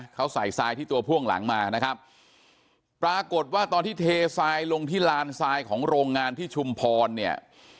เขาใส่ทรายที่ตัวพ่วงหลังมานะครับปรากฏว่าตอนที่เททรายลงที่ลานทรายของโรงงานที่ชุมพรเนี่ย